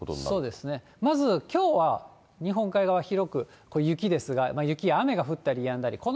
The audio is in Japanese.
そうですね、まずきょうは、日本海側は広く、これ雪ですが、雪や雨が降ったりやんだり。